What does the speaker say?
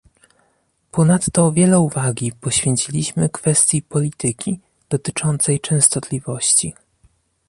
Ponadto wiele uwagi poświęciliśmy kwestii polityki dotyczącej częstotliwości